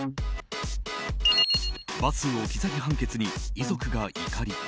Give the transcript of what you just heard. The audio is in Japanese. バス置き去り判決に遺族が怒り。